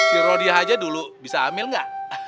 si rodia aja dulu bisa hamil ga